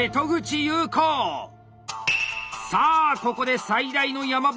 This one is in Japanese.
さあここで最大の山場！